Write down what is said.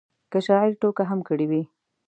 که شاعر ټوکه هم کړې وي.